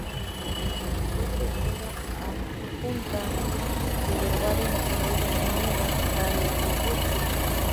Fue Directora Adjunta del Herbario Nacional de Nueva Gales del Sur.